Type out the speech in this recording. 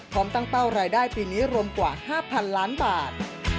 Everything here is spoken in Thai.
พร้อมตั้งเป้ารายได้ปีนี้รวมกว่า๕๐๐๐ล้านบาท